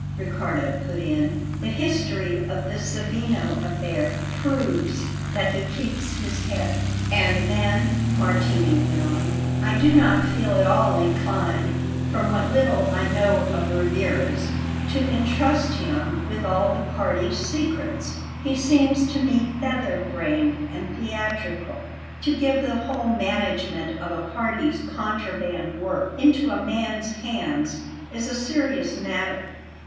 Riccardo put in. "The history of the Savigno affair proves that he keeps his head." "And then," Martini went on; "I do not feel at all inclined, from what little I know of Rivarez, to intrust him with all the party's secrets. He seems to me feather brained and theatrical. To give the whole management of a party's contraband work into a man's hands is a serious matter.